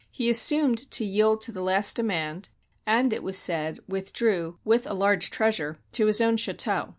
He assumed to yield to the last demand, and, it was said, withdrew with a large treasure to his own chateau.